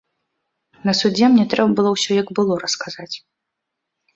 На судзе мне трэба было ўсё, як было, расказаць.